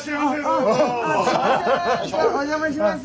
お邪魔します。